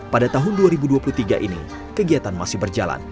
pada tahun dua ribu dua puluh tiga ini kegiatan masih berjalan